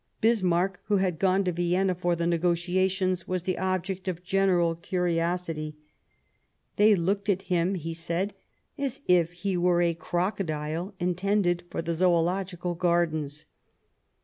Bis marck, who had gone to Vienna for th§ negotiations, was the object of general curiosity ; they looked at him, he said "as if he were a crocodile intended for the Zoological Gardens."